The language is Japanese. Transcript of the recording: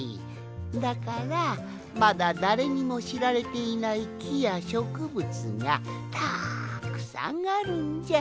だからまだだれにもしられていないきやしょくぶつがたっくさんあるんじゃ。